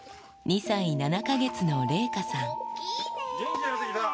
２歳７か月の麗禾さん。